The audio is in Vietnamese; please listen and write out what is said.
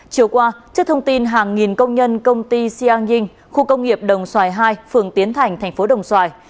chiều qua trước thông tin hàng nghìn công nhân công ty siang ying khu công nghiệp đồng xoài hai phường tiến thành tp đồng xoài